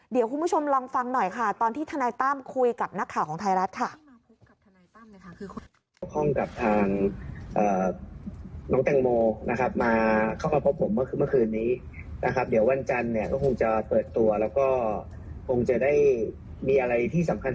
เดี๋ยวคุณผู้ชมลองฟังหน่อยค่ะตอนที่ทนายตั้มคุยกับนักข่าวของไทยรัฐค่ะ